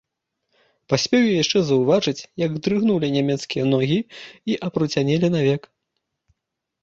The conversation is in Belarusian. Паспеў я яшчэ заўважыць, як дрыгнулі нямецкія ногі і апруцянелі навек.